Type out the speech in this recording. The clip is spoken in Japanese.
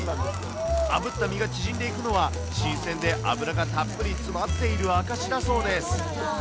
あぶった身が縮んでいくのは新鮮で脂がたっぷり詰まっている証しだそうです。